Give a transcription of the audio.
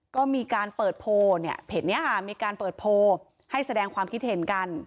ก็มีการเปิดโพลให้แสดงความคิดเห็นกัน